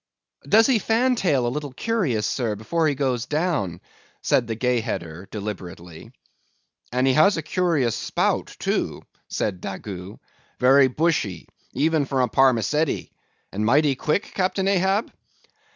"Does he fan tail a little curious, sir, before he goes down?" said the Gay Header deliberately. "And has he a curious spout, too," said Daggoo, "very bushy, even for a parmacetty, and mighty quick, Captain Ahab?"